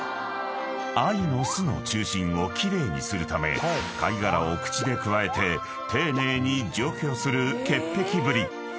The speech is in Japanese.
［愛の巣の中心を奇麗にするため貝殻を口でくわえて丁寧に除去する潔癖ぶり］